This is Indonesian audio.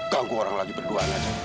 ganggu orang lagi berdua aja